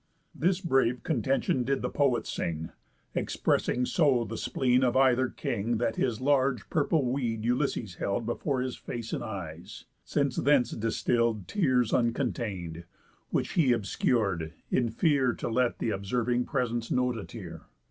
This brave Contention did the poet sing, Expressing so the spleen of either king, That his large purple weed Ulysses held Before his face and eyes, since thence distill'd Tears uncontain'd; which he obscur'd, in fear To let th' observing presence note a tear.